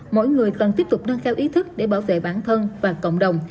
mỗi người cần tiếp tục nâng cao ý thức để bảo vệ bản thân và cộng đồng